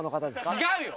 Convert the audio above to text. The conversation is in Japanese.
違うよ！